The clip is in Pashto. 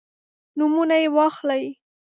نومونه یې واخلئ.